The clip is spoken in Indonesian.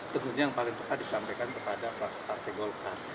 tentunya yang paling tepat disampaikan kepada fraksi partai golkar